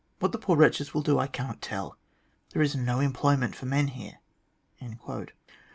What the poor wretches will do I cannot tell. There is no employment for men here."